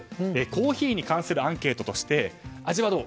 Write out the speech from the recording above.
コーヒーに関するアンケートとして味はどう？